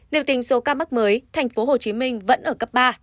nếu tính số ca mắc mới tp hcm vẫn ở cấp ba